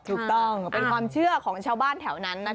ถูกต้องเป็นความเชื่อของชาวบ้านแถวนั้นนะคะ